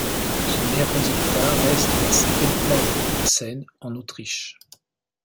Son meilleur résultat reste la cinquième place de Boutsen en Autriche.